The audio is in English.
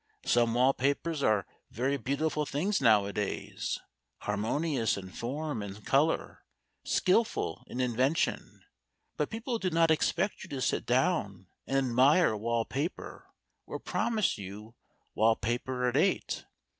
Some wall papers are very beautiful things nowadays, harmonious in form and colour, skilful in invention; but people do not expect you to sit down and admire wall paper, or promise you 'wallpaper at eight.'